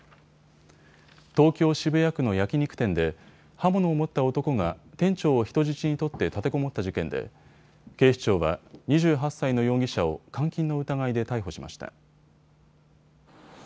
渋谷区の焼き肉店で刃物を持った男が店長を人質に取って立てこもった事件で警視庁は２８歳の容疑者を監禁の疑いで逮捕しました。